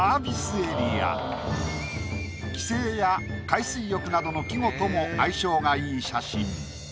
帰省や海水浴などの季語とも相性がいい写真。